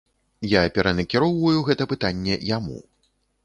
Я перанакіроўваю гэта пытанне яму.